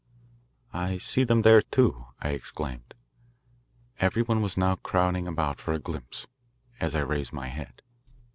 "I see them there, too," I exclaimed. Every one was now crowding about for a glimpse, as I raised my head.